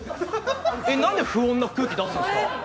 なんで不穏な空気出すんですか？